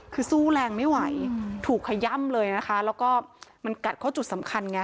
คือสู้แรงไม่ไหวถูกขย่ำเลยนะคะแล้วก็มันกัดเข้าจุดสำคัญไง